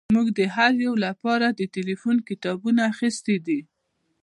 موږ د هر یو لپاره د ټیلیفون کتابونه اخیستي دي